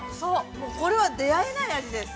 もう、これは出会えない味です。